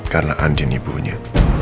karena andien ibunya